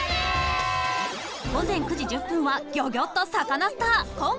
午前９時１０分は、ギョギョッとサカナスター。